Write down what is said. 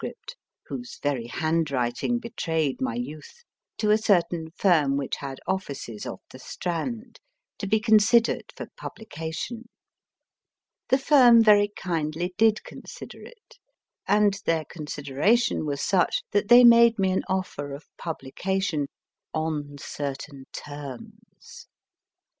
whose very handwriting betrayed my youth, to a certain firm which had offices off the Strand, to be considered for publication. The firm very kindly did consider it, and their consideration was such that they made me an offer of publication on certain terms.